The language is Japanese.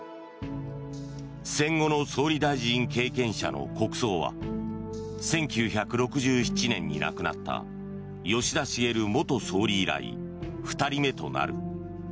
戦後の総理大臣経験者の国葬は１９６７年に亡くなった吉田茂元総理以来２人目となる。